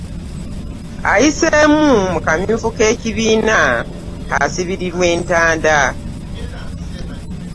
Ayiseemu mu kamyufu k'ekibiina asibirirwa entanda.